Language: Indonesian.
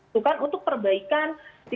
bukan untuk perbaikan